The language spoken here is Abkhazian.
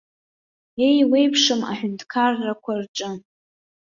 Еиуеиԥшым аҳәынҭқаррақәа рҿы.